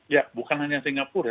ya bukan hanya singapura